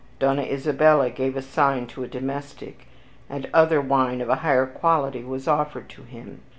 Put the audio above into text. Donna Isabella gave a sign to a domestic, and other wine of a higher quality was offered to him.